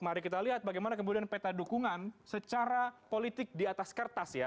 mari kita lihat bagaimana kemudian peta dukungan secara politik di atas kertas ya